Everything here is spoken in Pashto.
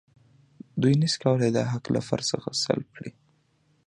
دوی نشي کولای دا حق له فرد څخه سلب کړي.